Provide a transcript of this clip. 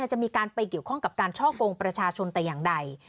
จะมีการไปเกี่ยวข้องกับการช่อกงประชาชนแต่อย่างใด